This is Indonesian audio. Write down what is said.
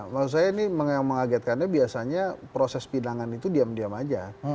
menurut saya ini yang mengagetkan biasanya proses pidangan itu diem diem aja